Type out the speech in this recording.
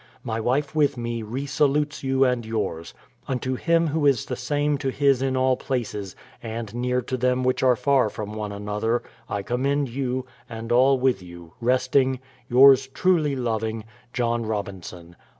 My wife with me, re salutes you and yours. Unto Him Who is the same to His in all places, and near to them which are far from one another, I commend you, and all with you, resting, Yours truly loving, JOHN ROBINSON.